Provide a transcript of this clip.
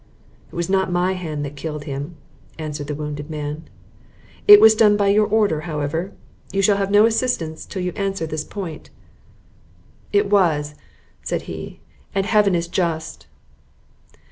"It was not my hand that killed him," answered the wounded man. "It was done by your own order, however? You shall have no assistance till you answer this point." "It was," said he, "and Heaven is just!"